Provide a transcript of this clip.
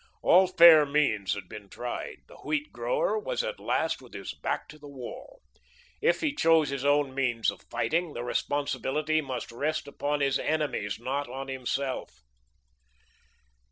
All fair means had been tried. The wheat grower was at last with his back to the wall. If he chose his own means of fighting, the responsibility must rest upon his enemies, not on himself.